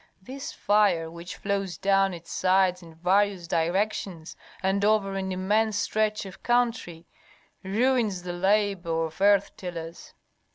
This fire, which flows down its sides in various directions and over an immense stretch of country, ruins the labor of earth tillers.